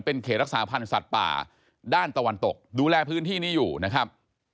เป็นเขตรักษาพันธ์สัตว์ป่าด้านตะวันตกดูแลพื้นที่นี้อยู่นะครับ